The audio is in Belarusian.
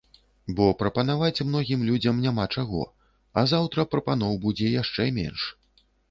Бо прапанаваць многім людзям няма чаго, а заўтра прапаноў будзе яшчэ менш.